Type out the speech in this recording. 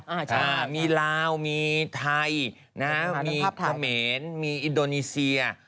อ้ามีราวมีไทยนะครับมีโฟเมนมีอินโดนีเซีย